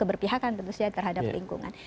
keberpihakan tentu saja terhadap lingkungan